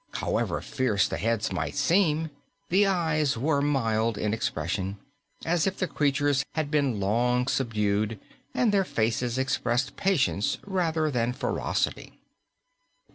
However fierce the heads might seem, the eyes were mild in expression, as if the creatures had been long subdued, and their faces expressed patience rather than ferocity.